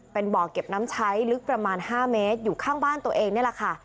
เป็นบ่อเก็บน้ำใช้ลึกประมาณ๕เมตรอยู่ข้างบ้านตัวเองนี่แหละค่ะ